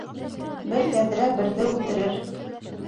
Бер йәҙрә берҙе үлтерер